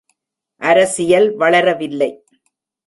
அரசியல் வளர வில்லை.